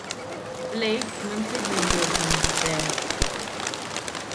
Blake non seguì gli ordini di Beresford.